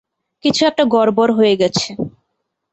কিছু একটা গড়বড় হয়ে গেছে।